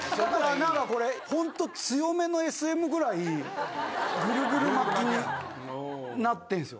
何かこれホント強めのＳＭぐらいぐるぐる巻きになってんすよ。